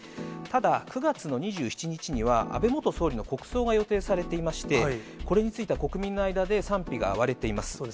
ただ、９月の２７日には、安倍元総理の国葬が予定されていまして、これについては国民の間で賛否が割れています。